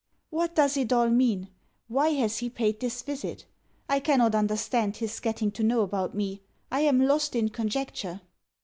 What does it all mean? Why has he paid this visit? I cannot understand his getting to know about me. I am lost in conjecture.